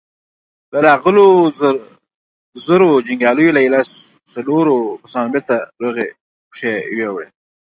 له راغلو زرو جنګياليو ايله څلورو سوو کسانو بېرته روغي پښې يووړې.